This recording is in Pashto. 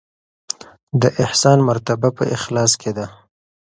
د احسان مرتبه په اخلاص کې ده.